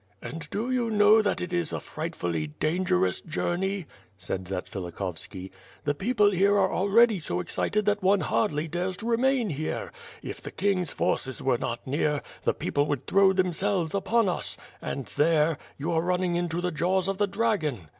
And do you know that it is a frightfully dangerous journey?" said Zatsvilikhovski. "The people here are al ready so excited that one hardly dares to remain here. If the king's forces were not near, the people would throw them selves upon us, and there — ^you are running into the jaws of the dragon."